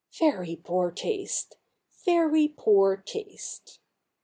' Very poor taste — very poor taste.'